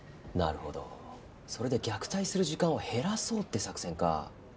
なるほどそれで虐待する時間を減らそうって作戦か。